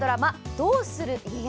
「どうする家康」。